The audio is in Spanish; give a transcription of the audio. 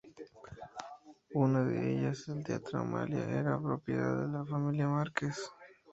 Una de ellas, el "Teatro Amalia" era propiedad de la familia Márquez.